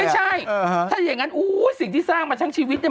ไม่ใช่ถ้าอย่างนั้นอู้สิ่งที่สร้างมาทั้งชีวิตเนี่ย